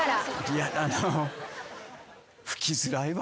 いやあの。